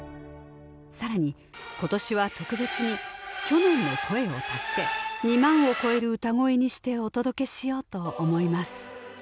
更に今年は特別に去年の声を足して２万を超える歌声にしてお届けしようと思います